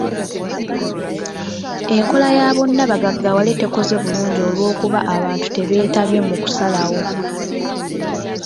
Enkola ya bonna bagaggawale tekoze bulungi olw'okuba abantu tebeetabye mu kusalawo.